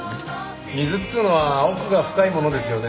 水っていうのは奥が深いものですよね。